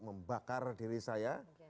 membakar diri saya